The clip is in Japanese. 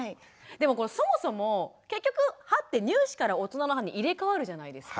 でもそもそも結局歯って乳歯から大人の歯に入れかわるじゃないですか。